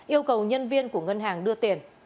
yêu cầu nhân viên của ngân hàng đưa tiền